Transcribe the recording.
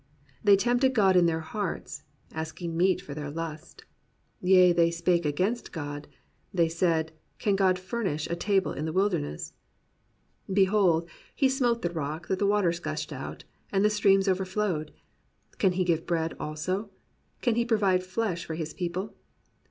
They tempted God in their hearts. Asking meat for their lust. Yea, they spake against God: They said. Can God furnish a table in the vrildemessf Behold, he smote the rock that the waters gushed out. And the streams overflowed; Can he give bread also ? Can he provide flesh for his people?